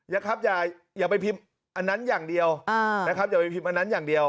อย่าไปพิมพ์อันนั้นอย่างเดียว